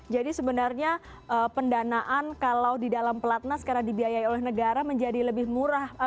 jadi sebenarnya pendanaan kalau di dalam pelatnas karena dibiayai oleh negara menjadi lebih murah